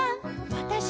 「わたし？